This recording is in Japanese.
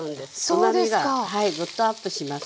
うまみがグッとアップします。